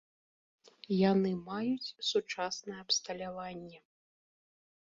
Яны маюць сучаснае абсталяванне.